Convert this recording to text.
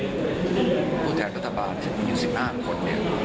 ไปเป็นผู้แทนรัฐบาล๑๕คน